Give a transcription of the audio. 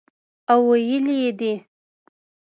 او ویلي یې دي